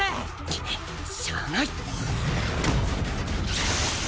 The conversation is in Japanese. くっしゃあない！